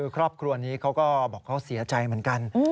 ครอบครัวนี้เขาก็บอกเขาเสียใจเหมือนกัน